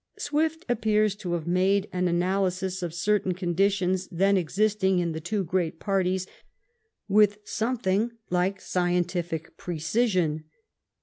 Swift appears to have made an analysis of certain conditions then existing in the two great parties with something like scientific precision.